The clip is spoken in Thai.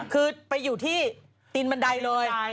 คือไปอยู่ที่ตีนบันไดเลย